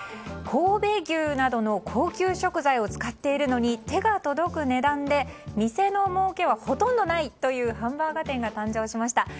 神戸牛などの高級食材を使っているのに手が届く値段で店のもうけはほとんどないというハンバーガー店が誕生しました。